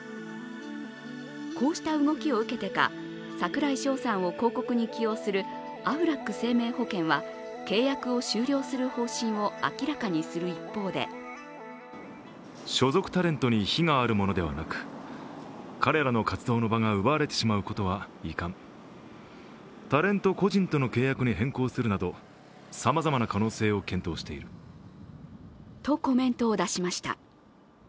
こうした動きを受けてか、櫻井翔さんを広告に起用するアフラック生命保険は契約を終了する方針を明らかにする一方でとコメントを出しました。